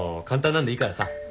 簡単なんでいいからさ。